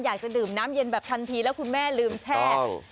อยากจะดื่มน้ำเย็นแบบทันทีแล้วคุณแม่ลืมแช่